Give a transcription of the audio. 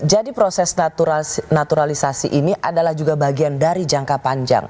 jadi proses naturalisasi ini adalah juga bagian dari jangka panjang